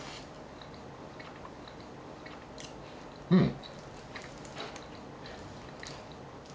うん！